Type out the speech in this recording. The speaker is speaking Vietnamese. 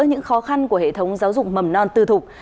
những khó khăn của hệ thống giáo dục mầm non tư thục